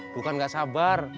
bukan gak sabar